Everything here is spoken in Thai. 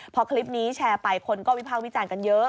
พอคลิปนี้แชร์ไปคนก็วิภาควิจารณ์กันเยอะ